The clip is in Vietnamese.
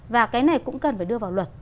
và cái này cũng cần phải đưa vào luật